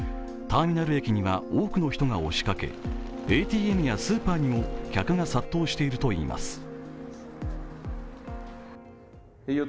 ターミナル駅には多くの人が押しかけＡＴＭやスーパーにも客が殺到しているといいます。